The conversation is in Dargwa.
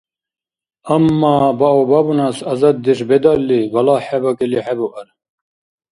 Амма баобабунас азаддеш бедалли, балагь хӀебакӀили хӀебуар.